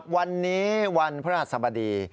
วันนี้วันพระราชสมดี